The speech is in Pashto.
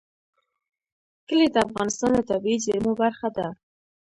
کلي د افغانستان د طبیعي زیرمو برخه ده.